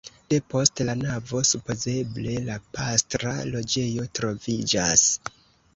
Depost la navo supozeble la pastra loĝejo troviĝas.